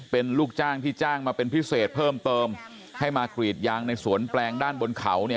เป็นลูกจ้างที่จ้างมาเป็นพิเศษเพิ่มเติมให้มากรีดยางในสวนแปลงด้านบนเขาเนี่ย